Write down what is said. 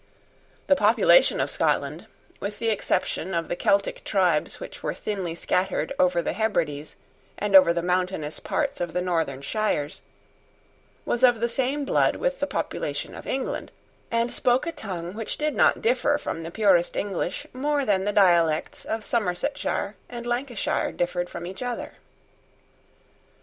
The population of Scotland, with the exception of the Celtic tribes which were thinly scattered over the Hebrides and over the mountainous parts of the northern shires, was of the same blood with the population of England, and spoke a tongue which did not differ from the purest English more than the dialects of Somersetshire and Lancashire differed from each other.